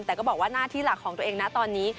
แต่ก็บอกว่าหน้าที่หลักของตัวเองนะตอนนี้